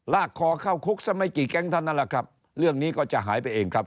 ลากคอเข้าคุกซะไม่กี่แก๊งเท่านั้นแหละครับเรื่องนี้ก็จะหายไปเองครับ